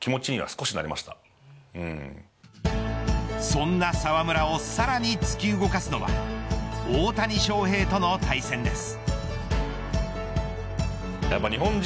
そんな澤村をさらに突き動かすのは大谷翔平との対戦です。